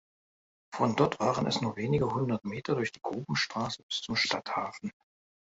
Von dort waren es nur wenige hundert Meter durch die Grubenstraße bis zum Stadthafen.